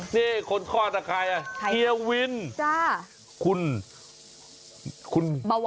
นี่คนความอาจารย์ใครน่ะเฮียวินคุณ